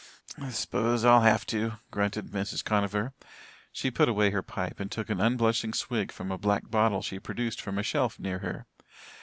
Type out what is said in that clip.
"S'pose I'll have to," grunted Mrs. Conover. She put away her pipe and took an unblushing swig from a black bottle she produced from a shelf near her.